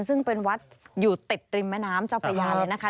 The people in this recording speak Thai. ซึ่งเป็นวัดอยู่ติดริมแม่น้ำเจ้าพระยาเลยนะคะ